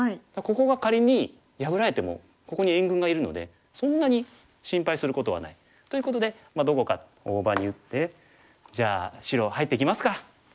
ここが仮に破られてもここに援軍がいるのでそんなに心配することはない。ということでどこか大場に打ってじゃあ白入ってきますか。